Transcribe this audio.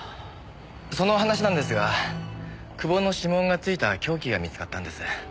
その話なんですが久保の指紋が付いた凶器が見つかったんです。